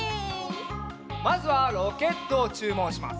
まずはロケットをちゅうもんします。